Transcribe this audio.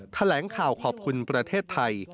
แถลงข่าวขอบคุณประเทศไทย